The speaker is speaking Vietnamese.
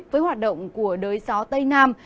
với hoạt động của đới gió tây nam